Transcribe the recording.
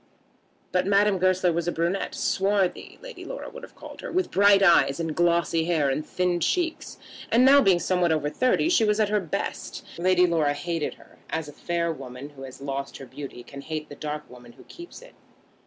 But Madame Goesler was a brunette, swarthy, Lady Laura would have called her, with bright eyes and glossy hair and thin cheeks, and now being somewhat over thirty she was at her best. Lady Laura hated her as a fair woman who has lost her beauty can hate the dark woman who keeps it.